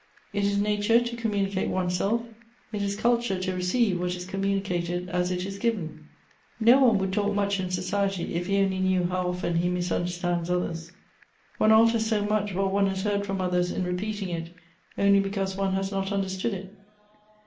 " It is nature to communicate one's self ; it is culture to receive what is communicated as it is sriven." " No one would talk much in society, if he only knew how often he misunderstands others.'' " One alters so much what one has heard from others in repeating it, only because one has not understood it."